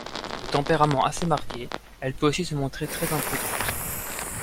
De tempérament assez marqué, elle peut aussi se montrer très imprudente.